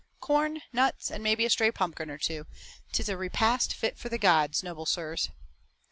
Corn, nuts and maybe a stray pumpkin or two. 'Tis a repast fit for the gods, noble sirs."